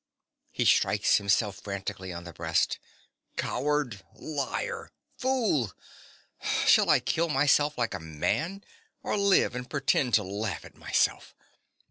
(He strikes himself frantically on the breast.) Coward, liar, fool! Shall I kill myself like a man, or live and pretend to laugh at myself?